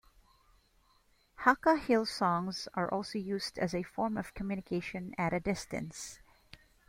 Hakka hill songs are also used as a form of communication at a distance.